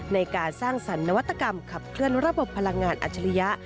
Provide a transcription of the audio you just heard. ในการสร้างสรรคนวัตกรรมขับเคลื่อนระบบพลังงานอัจฉริยะ